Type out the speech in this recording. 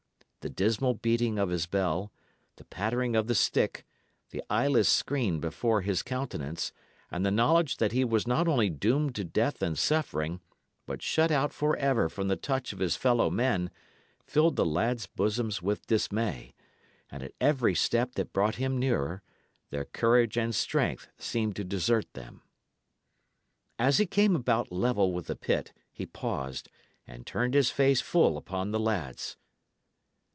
The dismal beating of his bell, the pattering of the stick, the eyeless screen before his countenance, and the knowledge that he was not only doomed to death and suffering, but shut out for ever from the touch of his fellow men, filled the lads' bosoms with dismay; and at every step that brought him nearer, their courage and strength seemed to desert them. As he came about level with the pit, he paused, and turned his face full upon the lads.